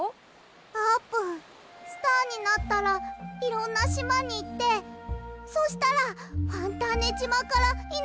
あーぷんスターになったらいろんなしまにいってそしたらファンターネじまからいなくなっちゃうんじゃ。